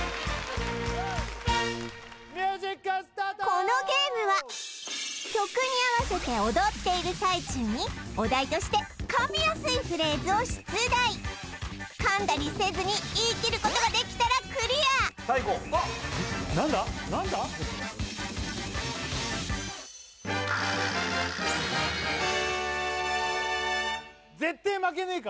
このゲームは曲に合わせて踊っている最中にお題として噛みやすいフレーズを出題噛んだりせずに言い切ることができたらクリアさあい